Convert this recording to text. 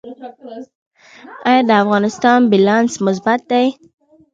آیا د افغانستان بیلانس مثبت دی؟